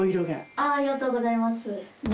ありがとうございます。